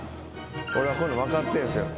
俺はこういうの分かってんすよ。